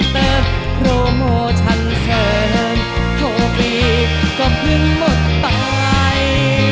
เธอโทรโมชั่นเสิร์นโทษวีดก็พึ่งหมดไป